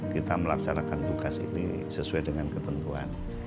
kita melaksanakan tugas ini sesuai dengan ketentuan